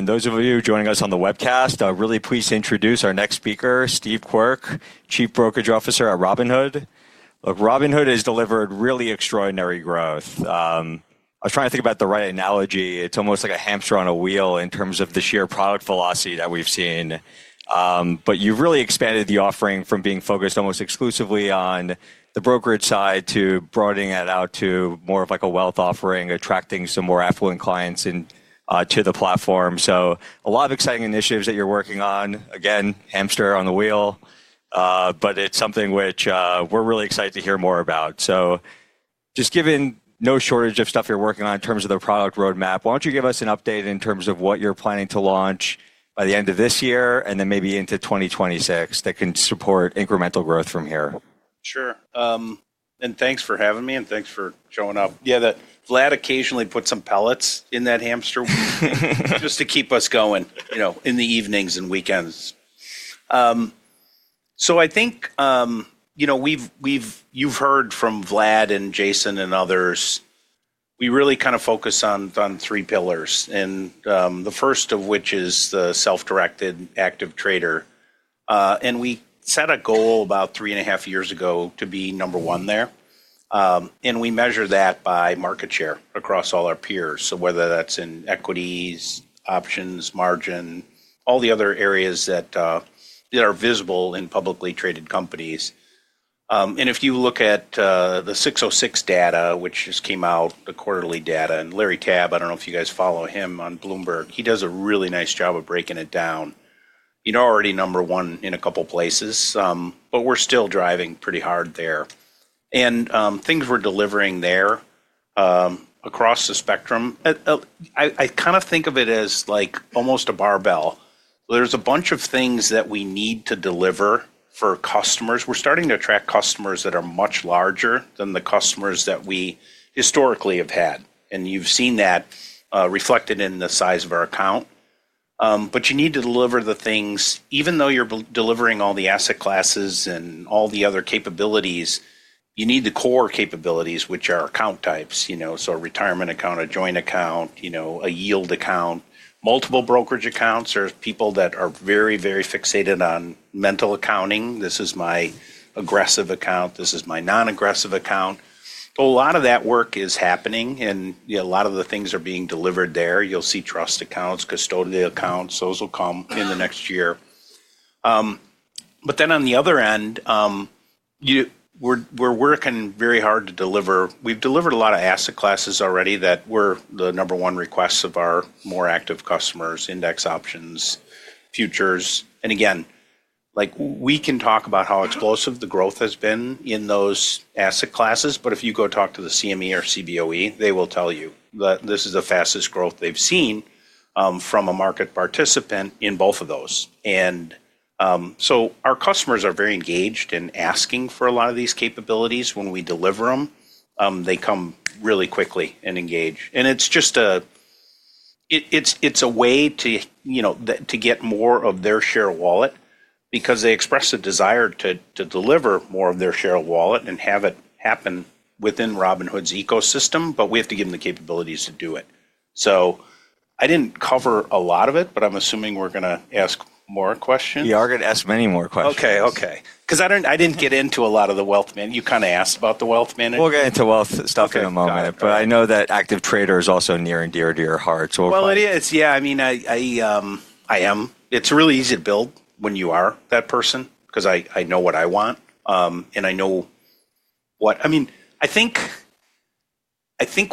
Those of you joining us on the webcast, I'm really pleased to introduce our next speaker, Steve Quirk, Chief Brokerage Officer at Robinhood. Look, Robinhood has delivered really extraordinary growth. I was trying to think about the right analogy. It's almost like a hamster on a wheel in terms of the sheer product philosophy that we've seen. You have really expanded the offering from being focused almost exclusively on the brokerage side to broadening that out to more of like a wealth offering, attracting some more affluent clients to the platform. A lot of exciting initiatives that you're working on. Again, hamster on the wheel, but it's something which we're really excited to hear more about. Just given no shortage of stuff you're working on in terms of the product roadmap, why don't you give us an update in terms of what you're planning to launch by the end of this year and then maybe into 2026 that can support incremental growth from here? Sure. Thanks for having me and thanks for showing up. Yeah, Vlad occasionally puts some pellets in that hamster just to keep us going in the evenings and weekends. I think you've heard from Vlad and Jason and others, we really kind of focus on three pillars, and the first of which is the self-directed active trader. We set a goal about three and a half years ago to be number one there. We measure that by market share across all our peers, whether that's in equities, options, margin, all the other areas that are visible in publicly traded companies. If you look at the 606 data, which just came out, the quarterly data, and Larry Tabb, I do not know if you guys follow him on Bloomberg, he does a really nice job of breaking it down. You're already number one in a couple of places, but we're still driving pretty hard there. Things we're delivering there across the spectrum, I kind of think of it as like almost a barbell. There's a bunch of things that we need to deliver for customers. We're starting to attract customers that are much larger than the customers that we historically have had. You've seen that reflected in the size of our account. You need to deliver the things, even though you're delivering all the asset classes and all the other capabilities, you need the core capabilities, which are account types. A retirement account, a joint account, a yield account, multiple brokerage accounts. There are people that are very, very fixated on mental accounting. This is my aggressive account. This is my non-aggressive account. A lot of that work is happening, and a lot of the things are being delivered there. You'll see trust accounts, custodial accounts. Those will come in the next year. On the other end, we're working very hard to deliver. We've delivered a lot of asset classes already that were the number one requests of our more active customers: index options, futures. Again, we can talk about how explosive the growth has been in those asset classes. If you go talk to the CME or CBOE, they will tell you that this is the fastest growth they've seen from a market participant in both of those. Our customers are very engaged in asking for a lot of these capabilities. When we deliver them, they come really quickly and engage. It is just a way to get more of their share of wallet because they express a desire to deliver more of their share of wallet and have it happen within Robinhood's ecosystem, but we have to give them the capabilities to do it. I did not cover a lot of it, but I am assuming we are going to ask more questions. You are going to ask many more questions. Okay, okay. Because I didn't get into a lot of the wealth management. You kind of asked about the wealth management. We'll get into wealth stuff in a moment, but I know that active trader is also near and dear to your heart. Yeah. I mean, I am. It's really easy to build when you are that person because I know what I want and I know what I mean. I think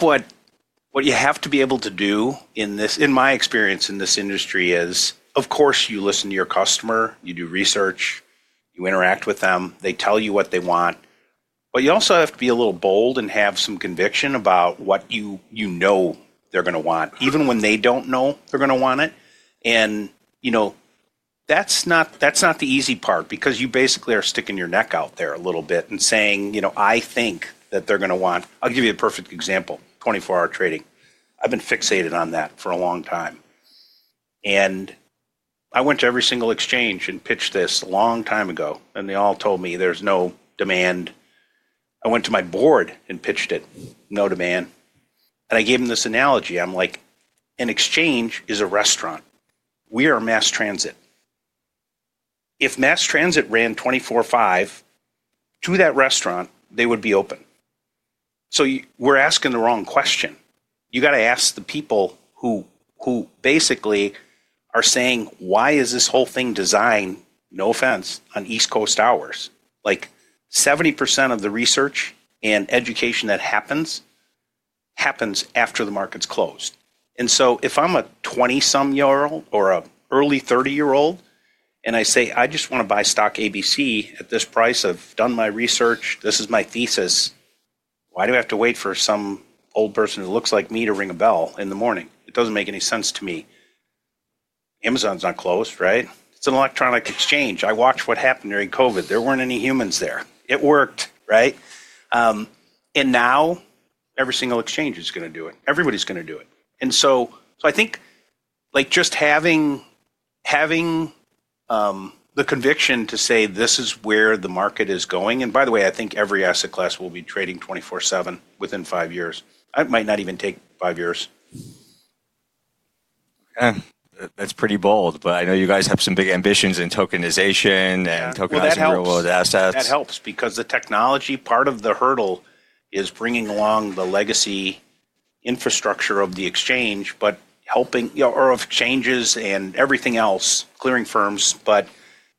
what you have to be able to do in this, in my experience in this industry, is of course you listen to your customer, you do research, you interact with them, they tell you what they want, but you also have to be a little bold and have some conviction about what you know they're going to want, even when they don't know they're going to want it. That's not the easy part because you basically are sticking your neck out there a little bit and saying, "I think that they're going to want." I'll give you a perfect example, 24-hour trading. I've been fixated on that for a long time. I went to every single exchange and pitched this a long time ago, and they all told me there's no demand. I went to my board and pitched it, no demand. I gave them this analogy. I'm like, "An exchange is a restaurant. We are a mass transit. If mass transit ran 24/5 to that restaurant, they would be open." We're asking the wrong question. You got to ask the people who basically are saying, "Why is this whole thing designed, no offense, on East Coast hours?" Like 70% of the research and education that happens happens after the market's closed. If I'm a 20-some-year-old or an early 30-year-old and I say, "I just want to buy stock ABC at this price. I've done my research. This is my thesis. Why do I have to wait for some old person who looks like me to ring a bell in the morning? It doesn't make any sense to me. Amazon's not closed, right? It's an electronic exchange. I watched what happened during COVID. There weren't any humans there. It worked, right? Now every single exchange is going to do it. Everybody's going to do it. I think just having the conviction to say, "This is where the market is going." By the way, I think every asset class will be trading 24/7 within five years. It might not even take five years. Okay. That's pretty bold, but I know you guys have some big ambitions in tokenization and tokenization of assets. That helps because the technology part of the hurdle is bringing along the legacy infrastructure of the exchange, but helping or exchanges and everything else, clearing firms.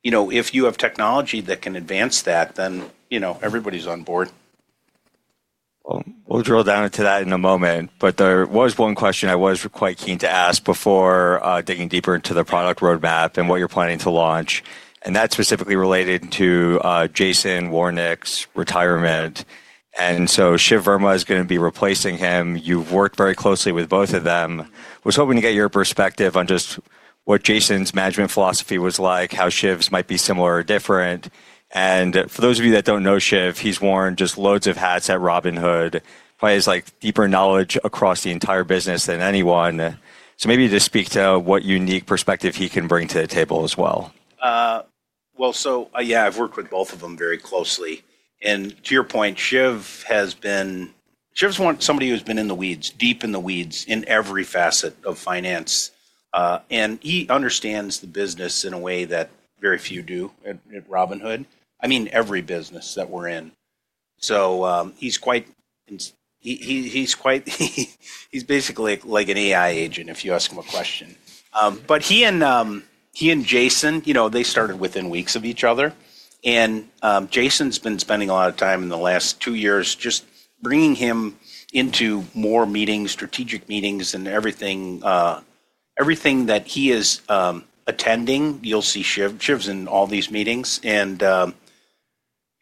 If you have technology that can advance that, then everybody's on board. We'll drill down into that in a moment. There was one question I was quite keen to ask before digging deeper into the product roadmap and what you're planning to launch. That's specifically related to Jason Warnick's retirement. Shiv Verma is going to be replacing him. You've worked very closely with both of them. I was hoping to get your perspective on just what Jason's management philosophy was like, how Shiv's might be similar or different. For those of you that don't know Shiv, he's worn just loads of hats at Robinhood. He has deeper knowledge across the entire business than anyone. Maybe speak to what unique perspective he can bring to the table as well. Yeah, I've worked with both of them very closely. To your point, Shiv has been somebody who's been in the weeds, deep in the weeds in every facet of finance. He understands the business in a way that very few do at Robinhood. I mean, every business that we're in. He's quite, he's basically like an AI agent if you ask him a question. He and Jason, they started within weeks of each other. Jason's been spending a lot of time in the last two years just bringing him into more meetings, strategic meetings and everything that he is attending. You'll see Shiv's in all these meetings.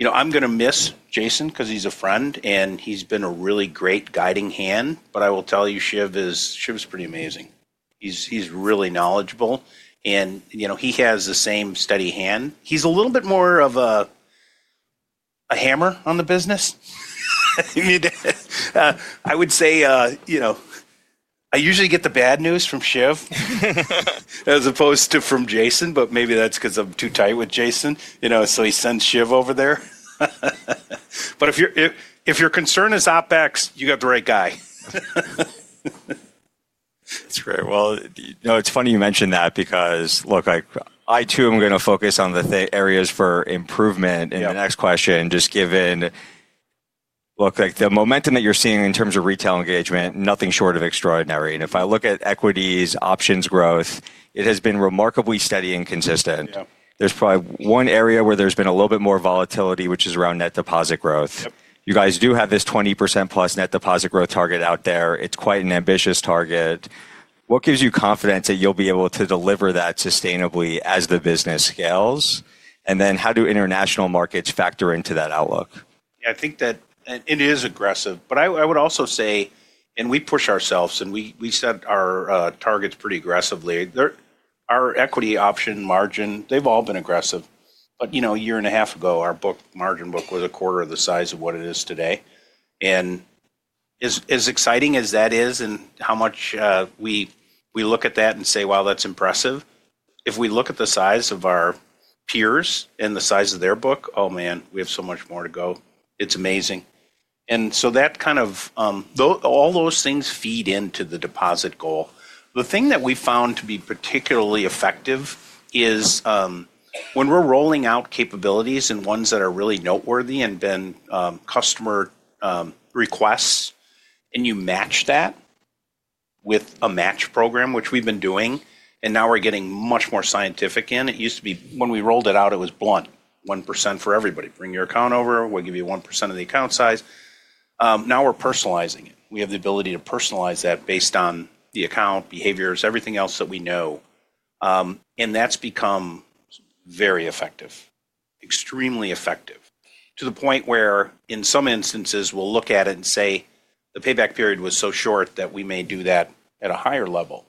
I'm going to miss Jason because he's a friend and he's been a really great guiding hand. I will tell you, Shiv is pretty amazing. He's really knowledgeable. He has the same steady hand. He's a little bit more of a hammer on the business. I would say I usually get the bad news from Shiv as opposed to from Jason, but maybe that's because I'm too tight with Jason. He sends Shiv over there. If your concern is OpEx, you got the right guy. That's great. It's funny you mentioned that because, look, I too am going to focus on the areas for improvement in the next question just given the momentum that you're seeing in terms of retail engagement, nothing short of extraordinary. If I look at equities, options growth, it has been remarkably steady and consistent. There's probably one area where there's been a little bit more volatility, which is around net deposit growth. You guys do have this 20%+ net deposit growth target out there. It's quite an ambitious target. What gives you confidence that you'll be able to deliver that sustainably as the business scales? How do international markets factor into that outlook? Yeah, I think that it is aggressive. I would also say, we push ourselves and we set our targets pretty aggressively. Our equity option margin, they've all been aggressive. A year and a half ago, our margin book was 1/4 of the size of what it is today. As exciting as that is and how much we look at that and say, "Wow, that's impressive." If we look at the size of our peers and the size of their book, oh man, we have so much more to go. It's amazing. That kind of all those things feed into the deposit goal. The thing that we found to be particularly effective is when we're rolling out capabilities and ones that are really noteworthy and been customer requests, and you match that with a match program, which we've been doing, and now we're getting much more scientific in. It used to be when we rolled it out, it was blunt, 1% for everybody. Bring your account over, we'll give you 1% of the account size. Now we're personalizing it. We have the ability to personalize that based on the account behaviors, everything else that we know. That's become very effective, extremely effective. To the point where in some instances, we'll look at it and say, "The payback period was so short that we may do that at a higher level."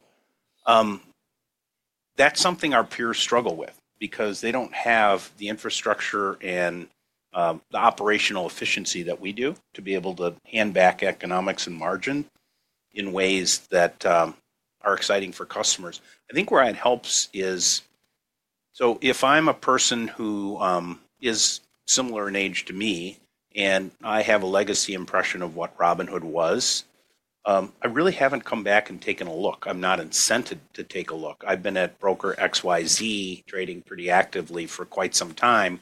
That's something our peers struggle with because they don't have the infrastructure and the operational efficiency that we do to be able to hand back economics and margin in ways that are exciting for customers. I think where it helps is, if I'm a person who is similar in age to me and I have a legacy impression of what Robinhood was, I really haven't come back and taken a look. I'm not incented to take a look. I've been at broker XYZ trading pretty actively for quite some time,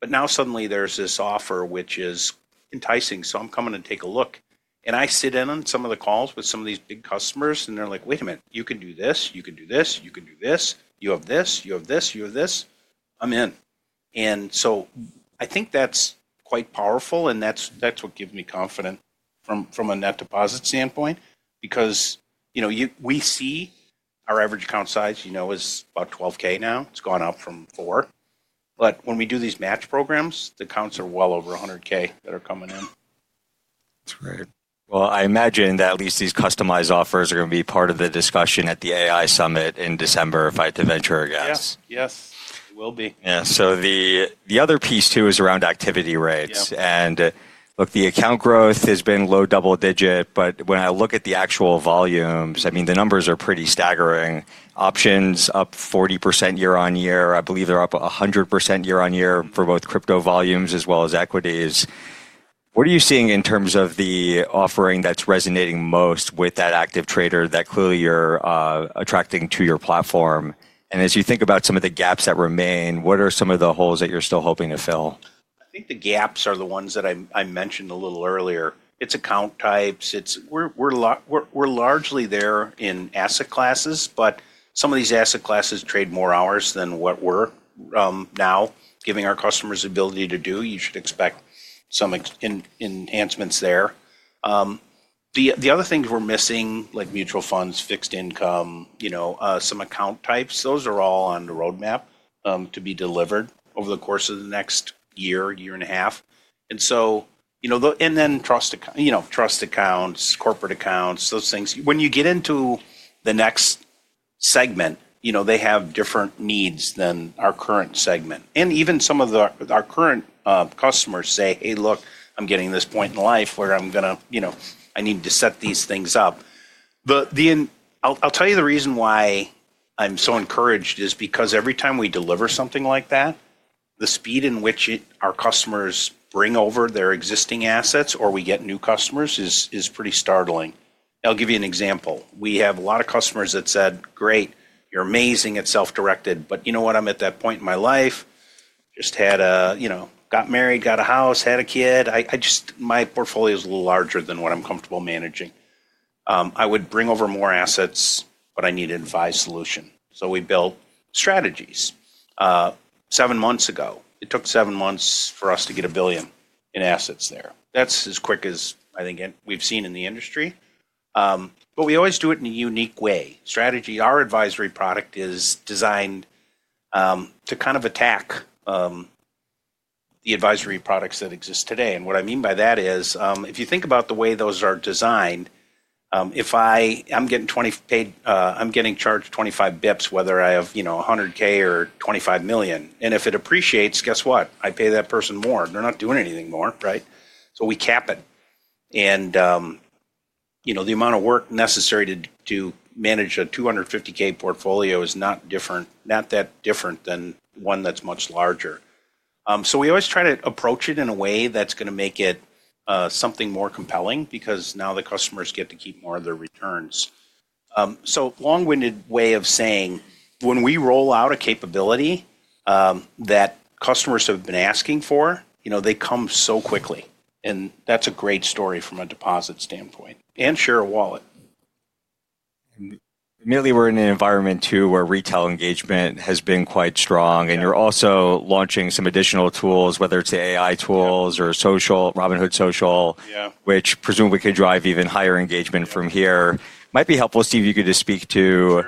but now suddenly there's this offer, which is enticing. I'm coming to take a look. I sit in on some of the calls with some of these big customers and they're like, "Wait a minute, you can do this, you can do this, you can do this. You have this, you have this, you have this. I'm in." I think that's quite powerful and that's what gives me confidence from a net deposit standpoint because we see our average account size is about $12,000 now. It's gone up from $4,000. When we do these match programs, the accounts are well over $100,000 that are coming in. That's great. I imagine that at least these customized offers are going to be part of the discussion at the AI Summit in December if I had to venture a guess. Yes, yes. It will be. Yeah. The other piece too is around activity rates. Look, the account growth has been low double digit, but when I look at the actual volumes, I mean, the numbers are pretty staggering. Options up 40% year on year. I believe they're up 100% year on year for both crypto volumes as well as equities. What are you seeing in terms of the offering that's resonating most with that active trader that clearly you're attracting to your platform? As you think about some of the gaps that remain, what are some of the holes that you're still hoping to fill? I think the gaps are the ones that I mentioned a little earlier. It's account types. We're largely there in asset classes, but some of these asset classes trade more hours than what we're now giving our customers the ability to do. You should expect some enhancements there. The other things we're missing, like mutual funds, fixed income, some account types, those are all on the roadmap to be delivered over the course of the next year, year and a half. Then trust accounts, corporate accounts, those things. When you get into the next segment, they have different needs than our current segment. Even some of our current customers say, "Hey, look, I'm getting to this point in life where I need to set these things up." I'll tell you the reason why I'm so encouraged is because every time we deliver something like that, the speed in which our customers bring over their existing assets or we get new customers is pretty startling. I'll give you an example. We have a lot of customers that said, "Great, you're amazing at self-directed, but you know what? I'm at that point in my life, just got married, got a house, had a kid. My portfolio is a little larger than what I'm comfortable managing. I would bring over more assets, but I need an advised solution." We built Strategies. Seven months ago, it took seven months for us to get $1 billion in assets there. That's as quick as I think we've seen in the industry. We always do it in a unique way. Strategy, our advisory product, is designed to kind of attack the advisory products that exist today. What I mean by that is if you think about the way those are designed, if I'm getting charged 25 bps, whether I have $100,000 or $25 million, and if it appreciates, guess what? I pay that person more. They're not doing anything more, right? We cap it. The amount of work necessary to manage a $250,000 portfolio is not that different than one that's much larger. We always try to approach it in a way that's going to make it something more compelling because now the customers get to keep more of their returns. Long-winded way of saying when we roll out a capability that customers have been asking for, they come so quickly. And that's a great story from a deposit standpoint and share a wallet. We're in an environment too where retail engagement has been quite strong. You're also launching some additional tools, whether it's AI tools or social, Robinhood Social, which presumably could drive even higher engagement from here. Might be helpful, Steve, you get to speak to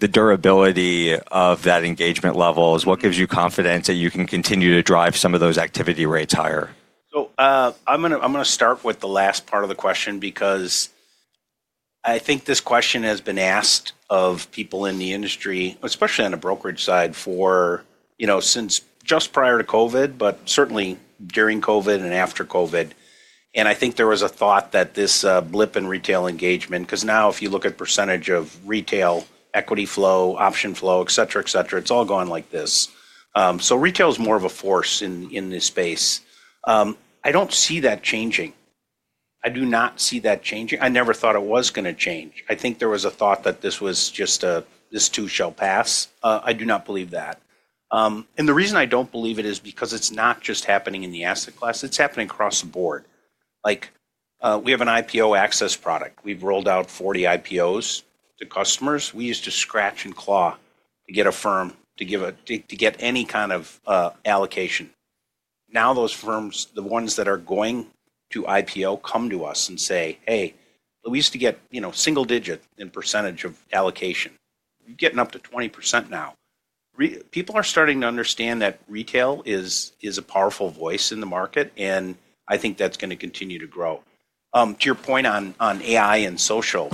the durability of that engagement levels. What gives you confidence that you can continue to drive some of those activity rates higher? I'm going to start with the last part of the question because I think this question has been asked of people in the industry, especially on the brokerage side since just prior to COVID, but certainly during COVID and after COVID. I think there was a thought that this blip in retail engagement, because now if you look at percentage of retail equity flow, option flow, etc., etc., it's all going like this. Retail is more of a force in this space. I don't see that changing. I do not see that changing. I never thought it was going to change. I think there was a thought that this was just a, this too shall pass. I do not believe that. The reason I don't believe it is because it's not just happening in the asset class. It's happening across the board. We have an IPO Access product. We've rolled out 40 IPOs to customers. We used to scratch and claw to get a firm to get any kind of allocation. Now those firms, the ones that are going to IPO, come to us and say, "Hey, we used to get single digit in % of allocation. We're getting up to 20% now." People are starting to understand that retail is a powerful voice in the market, and I think that's going to continue to grow. To your point on AI and social,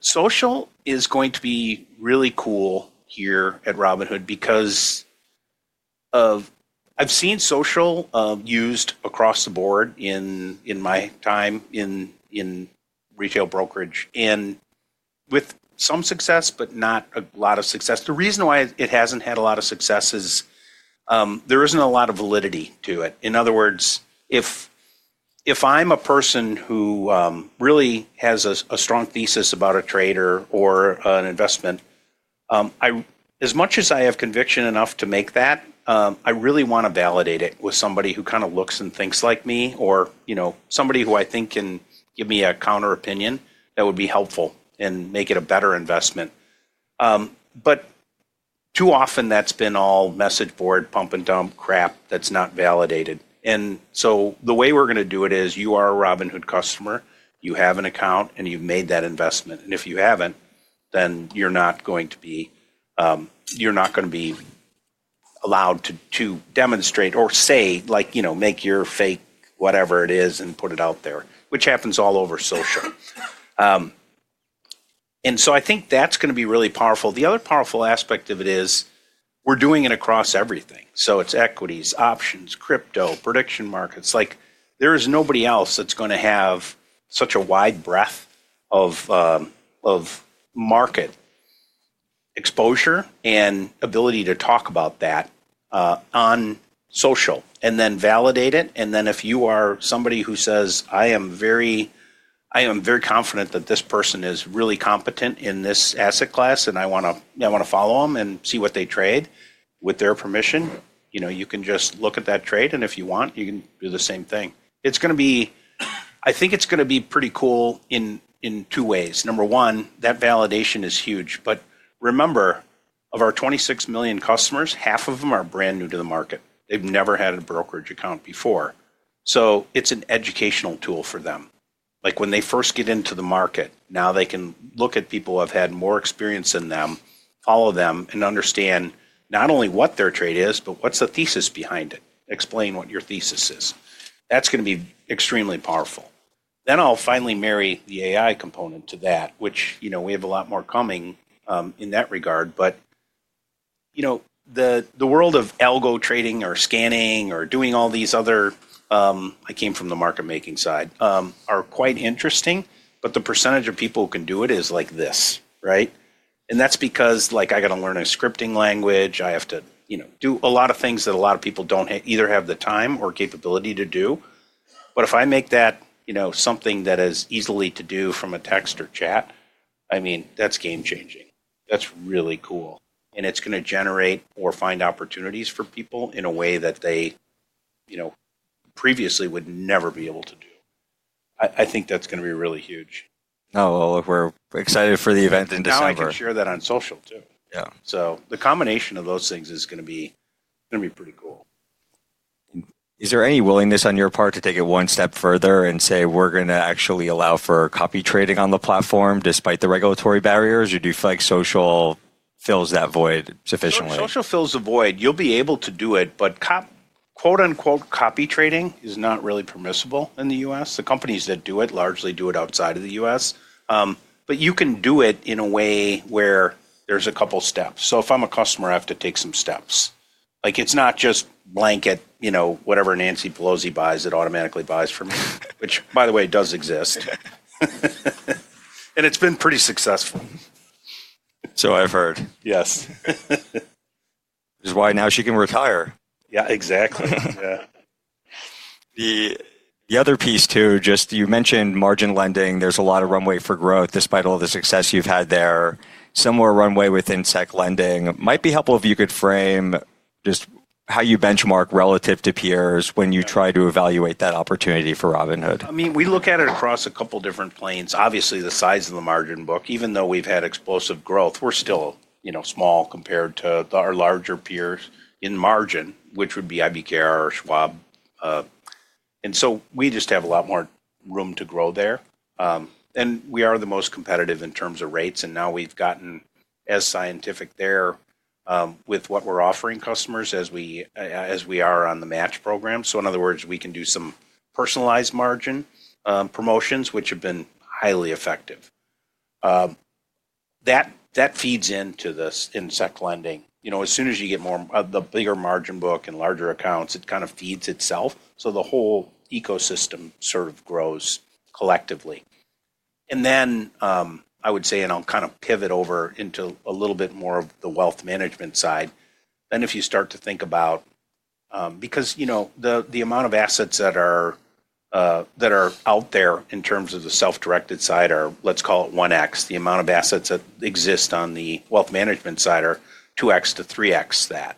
social is going to be really cool here at Robinhood because I've seen social used across the board in my time in retail brokerage and with some success, but not a lot of success. The reason why it hasn't had a lot of success is there isn't a lot of validity to it. In other words, if I'm a person who really has a strong thesis about a trader or an investment, as much as I have conviction enough to make that, I really want to validate it with somebody who kind of looks and thinks like me or somebody who I think can give me a counter opinion that would be helpful and make it a better investment. Too often that's been all message board, pump and dump crap that's not validated. The way we're going to do it is you are a Robinhood customer, you have an account, and you've made that investment. If you haven't, then you're not going to be allowed to demonstrate or say, like, make your fake whatever it is and put it out there, which happens all over social. I think that's going to be really powerful. The other powerful aspect of it is we're doing it across everything. So it's equities, options, crypto, prediction markets. There is nobody else that's going to have such a wide breadth of market exposure and ability to talk about that on social and then validate it. And then if you are somebody who says, "I am very confident that this person is really competent in this asset class and I want to follow them and see what they trade with their permission," you can just look at that trade and if you want, you can do the same thing. It's going to be, I think it's going to be pretty cool in two ways. Number one, that validation is huge. But remember, of our 26 million customers, half of them are brand new to the market. They've never had a brokerage account before. So it's an educational tool for them. Like when they first get into the market, now they can look at people who have had more experience than them, follow them and understand not only what their trade is, but what's the thesis behind it? Explain what your thesis is. That's going to be extremely powerful. I'll finally marry the AI component to that, which we have a lot more coming in that regard. The world of algo trading or scanning or doing all these other, I came from the market-making side, are quite interesting, but the percentage of people who can do it is like this, right? That's because I got to learn a scripting language. I have to do a lot of things that a lot of people don't either have the time or capability to do. If I make that something that is easy to do from a text or chat, I mean, that's game-changing. That's really cool. It's going to generate or find opportunities for people in a way that they previously would never be able to do. I think that's going to be really huge. No, we're excited for the event in December. I can share that on social too. The combination of those things is going to be pretty cool. Is there any willingness on your part to take it one step further and say, "We're going to actually allow for copy trading on the platform despite the regulatory barriers"? Or do you feel like social fills that void sufficiently? Social fills the void. You'll be able to do it, but "copy trading" is not really permissible in the U.S. The companies that do it largely do it outside of the U.S. You can do it in a way where there's a couple of steps. If I'm a customer, I have to take some steps. It's not just blanket, whatever Nancy Pelosi buys, it automatically buys for me, which by the way, does exist. It's been pretty successful. I've heard. Yes. Which is why now she can retire. Yeah, exactly. Yeah. The other piece too, just you mentioned margin lending. There is a lot of runway for growth despite all the success you have had there. Similar runway within sec lending. Might be helpful if you could frame just how you benchmark relative to peers when you try to evaluate that opportunity for Robinhood. I mean, we look at it across a couple of different planes. Obviously, the size of the margin book, even though we've had explosive growth, we're still small compared to our larger peers in margin, which would be IBKR or Schwab. We just have a lot more room to grow there. We are the most competitive in terms of rates. Now we've gotten as scientific there with what we're offering customers as we are on the match program. In other words, we can do some personalized margin promotions, which have been highly effective. That feeds into this in sec lending. As soon as you get more of the bigger margin book and larger accounts, it kind of feeds itself. The whole ecosystem sort of grows collectively. I would say, I'll kind of pivot over into a little bit more of the wealth management side. If you start to think about, because the amount of assets that are out there in terms of the self-directed side are, let's call it 1x, the amount of assets that exist on the wealth management side are 2x-3x that.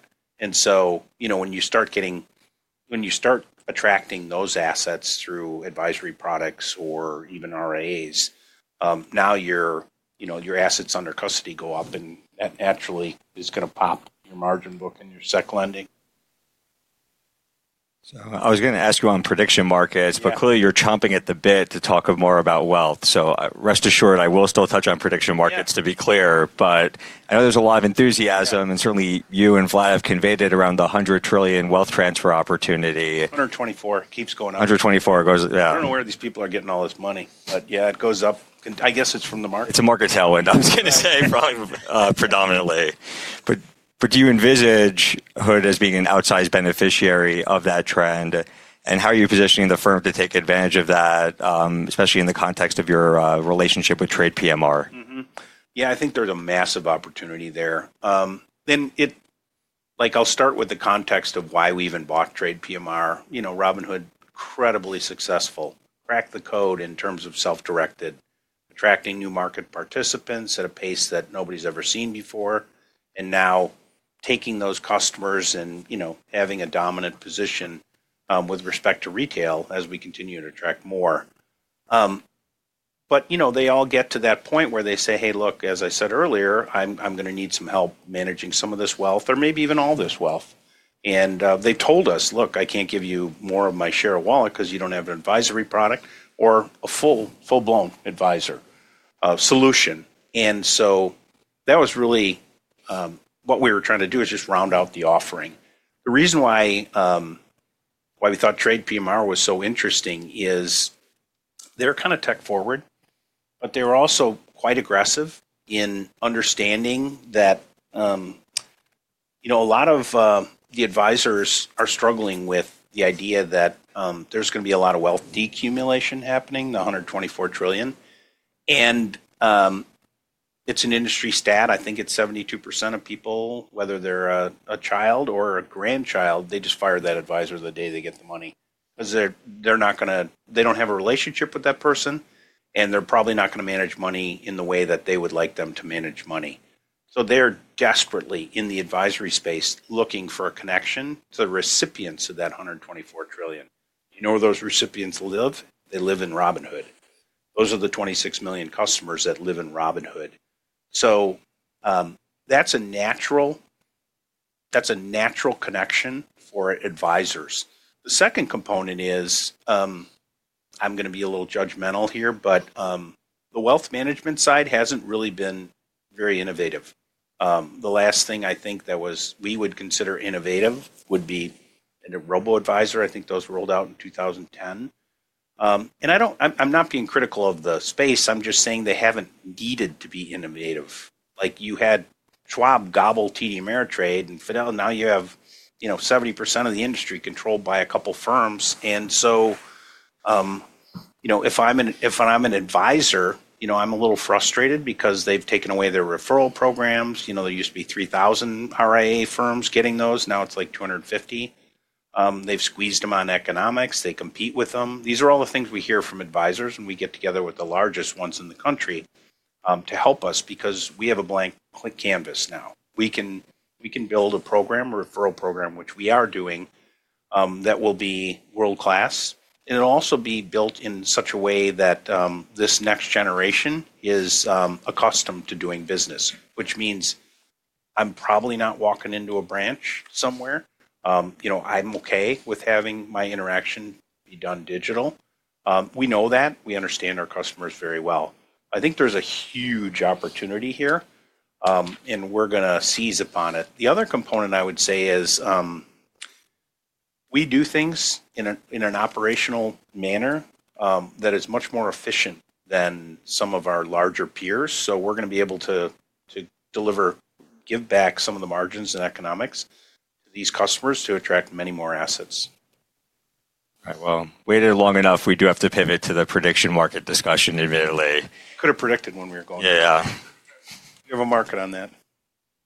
When you start getting, when you start attracting those assets through advisory products or even RIAs, now your assets under custody go up and naturally is going to pop your margin book and your sec lending. I was going to ask you on prediction markets, but clearly you're chomping at the bit to talk more about wealth. Rest assured, I will still touch on prediction markets to be clear, but I know there's a lot of enthusiasm and certainly you and Vlad have conveyed it around the $100 trillion wealth transfer opportunity. $124 trillion, keeps going up. $124 trillion goes, yeah. I don't know where these people are getting all this money, but yeah, it goes up. I guess it's from the market. It's a market tailwind, I was going to say, predominantly. But do you envisage Hood as being an outsized beneficiary of that trend? And how are you positioning the firm to take advantage of that, especially in the context of your relationship with TradePMR? Yeah, I think there's a massive opportunity there. I’ll start with the context of why we even bought TradePMR. Robinhood, incredibly successful, cracked the code in terms of self-directed, attracting new market participants at a pace that nobody's ever seen before, and now taking those customers and having a dominant position with respect to retail as we continue to attract more. They all get to that point where they say, "Hey, look, as I said earlier, I'm going to need some help managing some of this wealth or maybe even all this wealth." They told us, "Look, I can't give you more of my share of wallet because you don't have an advisory product or a full-blown advisor solution." That was really what we were trying to do is just round out the offering. The reason why we thought TradePMR was so interesting is they're kind of tech forward, but they were also quite aggressive in understanding that a lot of the advisors are struggling with the idea that there's going to be a lot of wealth decumulation happening, the $124 trillion. And it's an industry stat. I think it's 72% of people, whether they're a child or a grandchild, they just fire that advisor the day they get the money because they're not going to, they don't have a relationship with that person, and they're probably not going to manage money in the way that they would like them to manage money. So they're desperately in the advisory space looking for a connection to the recipients of that $124 trillion. You know where those recipients live? They live in Robinhood. Those are the 26 million customers that live in Robinhood. That's a natural connection for advisors. The second component is, I'm going to be a little judgmental here, but the wealth management side hasn't really been very innovative. The last thing I think that we would consider innovative would be a robo-advisor. I think those rolled out in 2010. I'm not being critical of the space. I'm just saying they haven't needed to be innovative. You had Schwab, TD Ameritrade, and Fidelity, now you have 70% of the industry controlled by a couple of firms. If I'm an advisor, I'm a little frustrated because they've taken away their referral programs. There used to be 3,000 RIA firms getting those. Now it's like 250. They've squeezed them on economics. They compete with them. These are all the things we hear from advisors, and we get together with the largest ones in the country to help us because we have a blank canvas now. We can build a program, a referral program, which we are doing that will be world-class. It will also be built in such a way that this next generation is accustomed to doing business, which means I'm probably not walking into a branch somewhere. I'm okay with having my interaction be done digital. We know that. We understand our customers very well. I think there's a huge opportunity here, and we're going to seize upon it. The other component I would say is we do things in an operational manner that is much more efficient than some of our larger peers. We're going to be able to deliver, give back some of the margins and economics to these customers to attract many more assets. All right, waited long enough, we do have to pivot to the prediction market discussion immediately. Could have predicted when we were going to. Yeah. We have a market on that.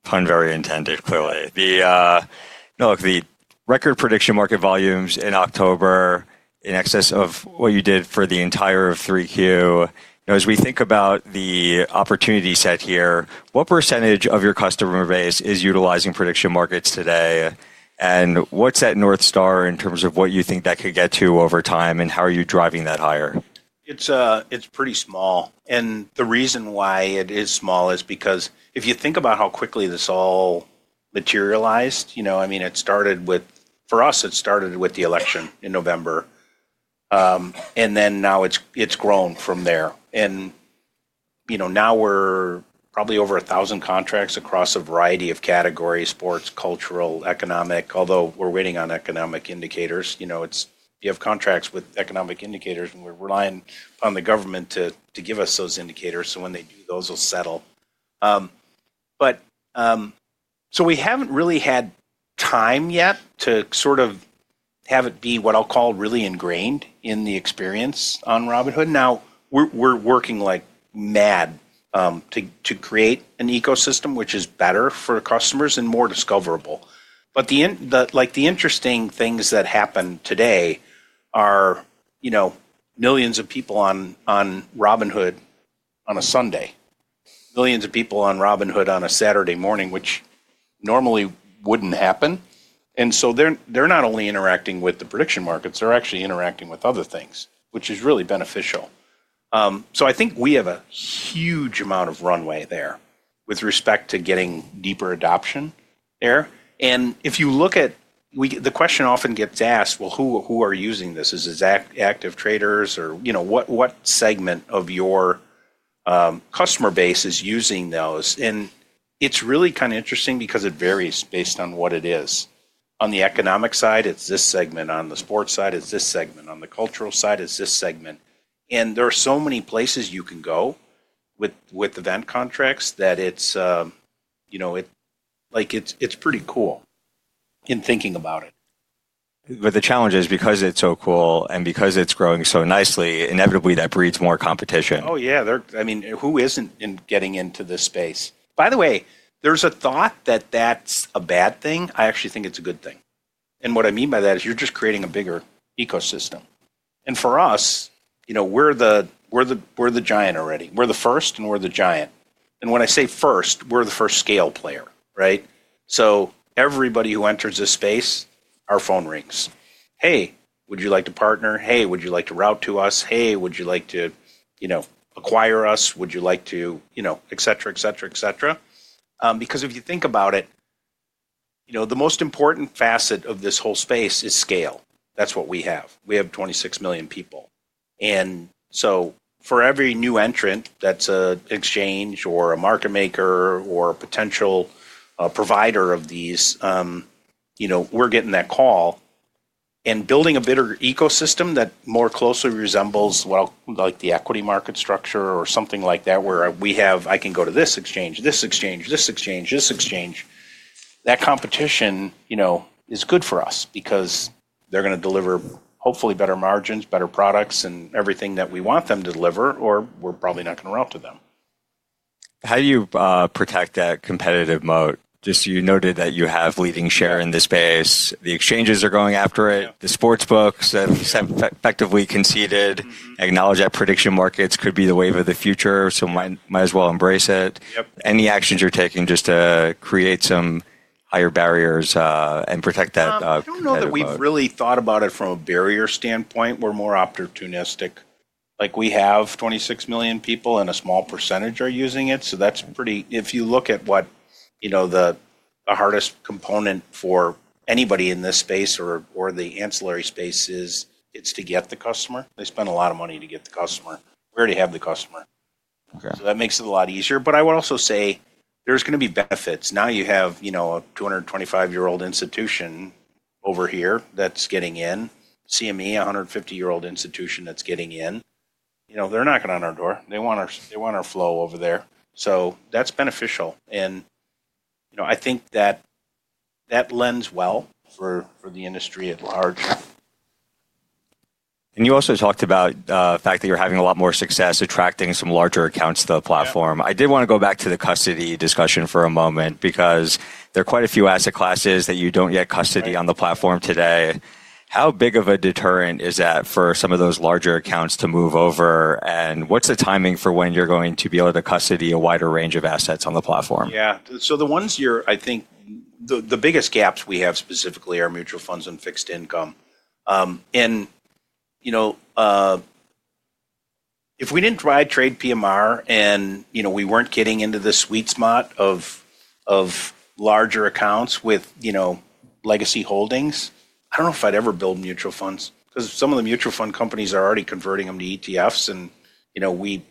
Pun very intended, clearly. The record prediction market volumes in October in excess of what you did for the entire 3Q. As we think about the opportunity set here, what percentage of your customer base is utilizing prediction markets today? What's that NorthStar in terms of what you think that could get to over time? How are you driving that higher? It's pretty small. The reason why it is small is because if you think about how quickly this all materialized, I mean, it started with, for us, it started with the election in November. Now it's grown from there. Now we're probably over 1,000 contracts across a variety of categories: sports, cultural, economic, although we're waiting on economic indicators. You have contracts with economic indicators, and we're relying on the government to give us those indicators. When they do those, we'll settle. We haven't really had time yet to sort of have it be what I'll call really ingrained in the experience on Robinhood. Now we're working like mad to create an ecosystem which is better for customers and more discoverable. The interesting things that happen today are millions of people on Robinhood on a Sunday, billions of people on Robinhood on a Saturday morning, which normally would not happen. They are not only interacting with the prediction markets, they are actually interacting with other things, which is really beneficial. I think we have a huge amount of runway there with respect to getting deeper adoption there. If you look at, the question often gets asked, well, who are using this? Is it active traders or what segment of your customer base is using those? It is really kind of interesting because it varies based on what it is. On the economic side, it is this segment. On the sports side, it is this segment. On the cultural side, it is this segment. There are so many places you can go with event contracts that it's pretty cool in thinking about it. The challenge is because it's so cool and because it's growing so nicely, inevitably that breeds more competition. Oh, yeah. I mean, who isn't getting into this space? By the way, there's a thought that that's a bad thing. I actually think it's a good thing. And what I mean by that is you're just creating a bigger ecosystem. For us, we're the giant already. We're the first and we're the giant. When I say first, we're the first scale player, right? Everybody who enters this space, our phone rings. Hey, would you like to partner? Hey, would you like to route to us? Hey, would you like to acquire us? Would you like to, etc., etc., etc.? If you think about it, the most important facet of this whole space is scale. That's what we have. We have 26 million people. For every new entrant that's an exchange or a market maker or a potential provider of these, we're getting that call and building a bigger ecosystem that more closely resembles the equity market structure or something like that where we have, I can go to this exchange, this exchange, this exchange, this exchange. That competition is good for us because they're going to deliver hopefully better margins, better products, and everything that we want them to deliver, or we're probably not going to route to them. How do you protect that competitive moat? Just you noted that you have leading share in the space. The exchanges are going after it. The sports books have effectively conceded, acknowledge that prediction markets could be the wave of the future, so might as well embrace it. Any actions you're taking just to create some higher barriers and protect that? I don't know that we've really thought about it from a barrier standpoint. We're more opportunistic. Like we have 26 million people and a small percentage are using it. That's pretty, if you look at what the hardest component for anybody in this space or the ancillary space is, it's to get the customer. They spend a lot of money to get the customer. We already have the customer. That makes it a lot easier. I would also say there's going to be benefits. Now you have a 225-year-old institution over here that's getting in, CME, a 150-year-old institution that's getting in. They're knocking on our door. They want our flow over there. That's beneficial. I think that lends well for the industry at large. You also talked about the fact that you're having a lot more success attracting some larger accounts to the platform. I did want to go back to the custody discussion for a moment because there are quite a few asset classes that you don't yet custody on the platform today. How big of a deterrent is that for some of those larger accounts to move over? What's the timing for when you're going to be able to custody a wider range of assets on the platform? Yeah. The ones you're, I think the biggest gaps we have specifically are mutual funds and fixed income. If we did not try TradePMR and we were not getting into the sweet spot of larger accounts with legacy holdings, I do not know if I would ever build mutual funds because some of the mutual fund companies are already converting them to ETFs. We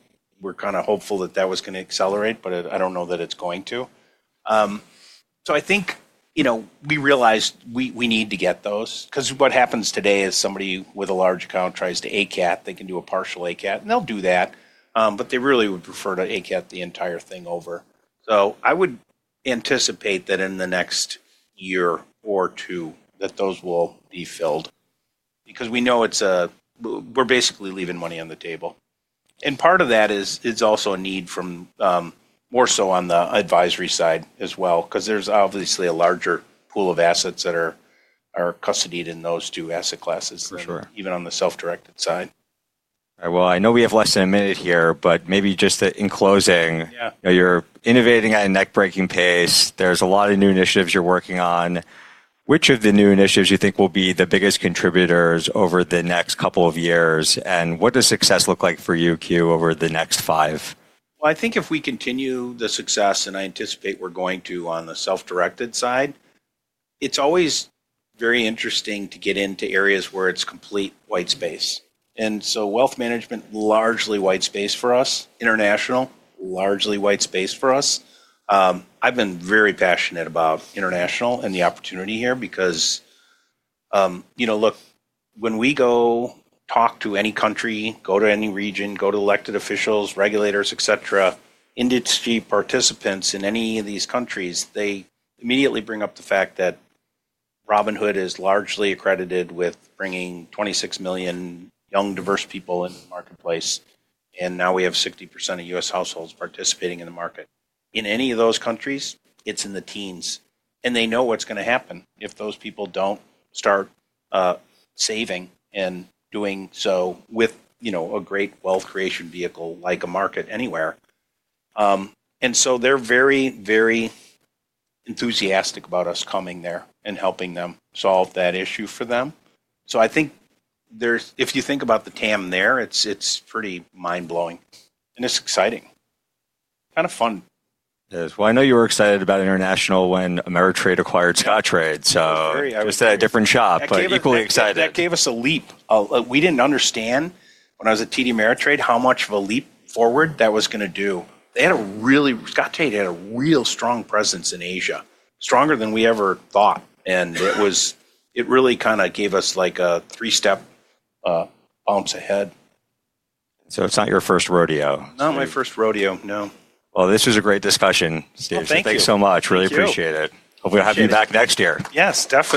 were kind of hopeful that that was going to accelerate, but I do not know that it is going to. I think we realized we need to get those because what happens today is somebody with a large account tries to ACAT, they can do a partial ACAT, and they will do that, but they really would prefer to ACAT the entire thing over. I would anticipate that in the next year or two that those will be filled because we know we're basically leaving money on the table. Part of that is it's also a need from more so on the advisory side as well because there's obviously a larger pool of assets that are custodied in those two asset classes even on the self-directed side. All right. I know we have less than a minute here, but maybe just in closing, you're innovating at a neck-breaking pace. There's a lot of new initiatives you're working on. Which of the new initiatives do you think will be the biggest contributors over the next couple of years? What does success look like for you, Q, over the next five? I think if we continue the success, and I anticipate we're going to on the self-directed side, it's always very interesting to get into areas where it's complete white space. Wealth management, largely white space for us, international, largely white space for us. I've been very passionate about international and the opportunity here because look, when we go talk to any country, go to any region, go to elected officials, regulators, etc., industry participants in any of these countries, they immediately bring up the fact that Robinhood is largely accredited with bringing 26 million young, diverse people in the marketplace. Now we have 60% of U.S. households participating in the market. In any of those countries, it's in the teens. They know what's going to happen if those people don't start saving and doing so with a great wealth creation vehicle like a market anywhere. They're very, very enthusiastic about us coming there and helping them solve that issue for them. I think if you think about the TAM there, it's pretty mind-blowing. It's exciting. Kind of fun. It is. I know you were excited about international when Ameritrade acquired Scottrade. It was a different shop, but equally exciting. That gave us a leap. We didn't understand when I was at TD Ameritrade how much of a leap forward that was going to do. They had a really, Scottrade had a real strong presence in Asia, stronger than we ever thought. It really kind of gave us like a three-step bounce ahead. It's not your first rodeo. Not my first rodeo, no. This was a great discussion, Steve. Thanks so much. Really appreciate it. Hope we'll have you back next year. Yes, definitely.